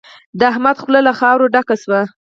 د احمد خوله له خاورو ډکه شوه.